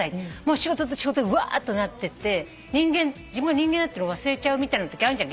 仕事仕事でうわっとなってて自分が人間だっていうのを忘れちゃうみたいなときあるじゃん